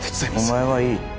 お前はいい